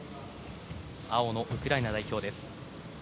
青のウクライナ代表です。